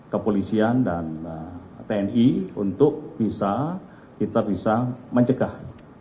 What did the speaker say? kepolisian dan tni untuk bisa kita bisa mencegah